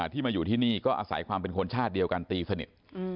ที่มาอยู่ที่นี่ก็อาศัยความเป็นคนชาติเดียวกันตีสนิท